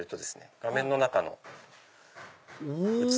画面の中の器。